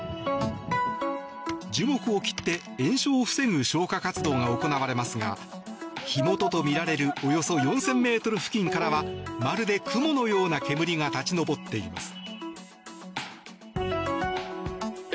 樹木を切って延焼を防ぐ消火活動が行われますが火元とみられるおよそ４０００ｍ付近からはまるで雲のような煙が立ち上っています。